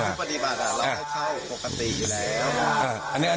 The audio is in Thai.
อย่างนักข่าวอ่ะผมก็ไม่ได้ห้าม